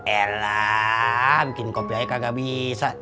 elah bikin kopi aja kagak bisa